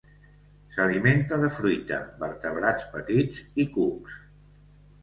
S'alimenta de fruita, vertebrats petits i cucs.